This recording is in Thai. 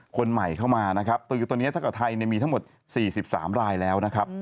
คนใหม่เข้ามาตอนนี้ถ้าเกิดไทยมีทั้งหมด๔๓รายแล้ว